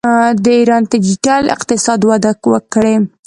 د ایران ډیجیټل اقتصاد وده کړې.